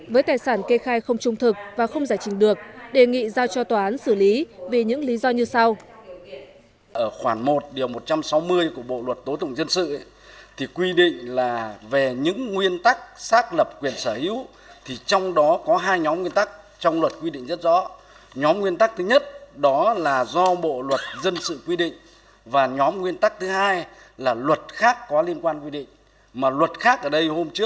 với tài sản kê khai không trung thực và không giải trình được đề nghị giao cho tòa án xử lý về những lý do như sau